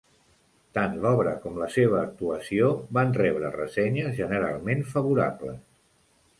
Tant l'obra com la seva actuació van rebre ressenyes generalment favorables.